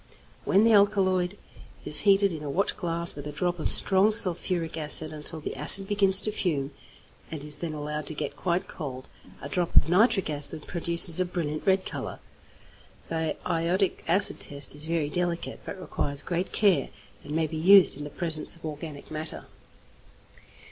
When the alkaloid is heated in a watchglass with a drop of strong sulphuric acid until the acid begins to fume, and is then allowed to get quite cold, a drop of nitric acid produces a brilliant red colour. The iodic acid test is very delicate, but requires great care, and may be used in the presence of organic matter.